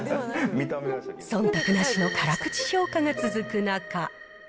そんたくなしの辛口評価が続く中。